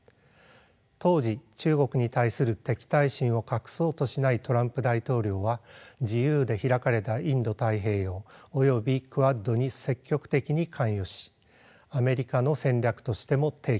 当時中国に対する敵対心を隠そうとしないトランプ大統領は「自由で開かれたインド太平洋」およびクアッドに積極的に関与しアメリカの戦略としても提起しました。